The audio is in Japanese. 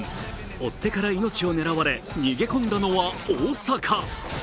追っ手から命を狙われ逃げ込んだのは大阪。